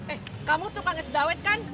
eh kamu tukang es dawet kan